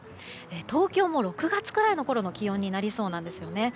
東京も６月くらいの気温になりそうなんですね。